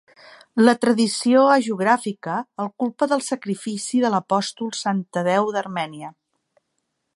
La tradició hagiogràfica el culpa del sacrifici de l'Apòstol Sant Tadeu d'Armènia.